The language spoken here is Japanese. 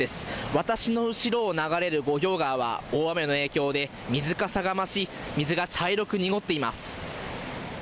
私の後ろを流れる五行川は大雨の影響で水かさが増し水が茶色く濁っています。